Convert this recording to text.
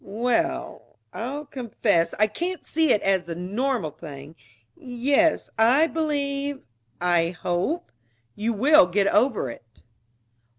"Well, I'll confess I can't see it as the normal thing. Yes, I believe I hope you will get over it."